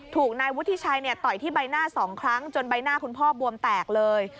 ถูกนายวุฒิชัยต่อยที่ใบหน้า๒ครั้งจนใบหน้าคุณพ่อบวมแตกเลย